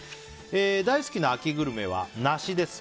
大好きな秋グルメは梨です。